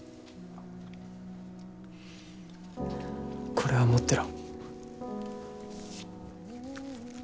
これは持ってろ。